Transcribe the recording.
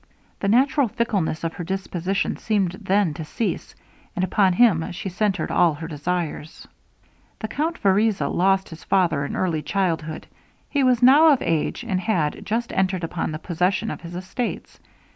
The natural fickleness of her disposition seemed then to cease, and upon him she centered all her desires. The count Vereza lost his father in early childhood. He was now of age, and had just entered upon the possession of his estates.